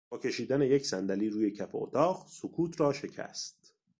با کشیدن یک صندلی روی کف اتاق سکوت را شکست.